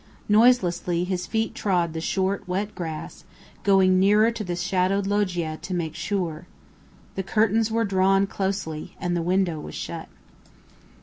Noiselessly his feet trod the short, wet grass, going nearer to the shadowed loggia to make sure.... The curtains were drawn closely, and the window was shut.